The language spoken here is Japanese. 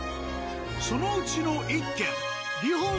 そのうちの１軒ええっ。